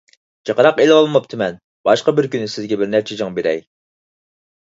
جىقراق ئېلىۋالماپتىمەن، باشقا بىر كۈنى سىزگە بىر نەچچە جىڭ بېرەي.